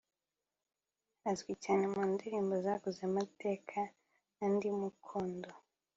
Azwi cyane mu ndirimbo zakoze amateka nka “Ndi Mukodo”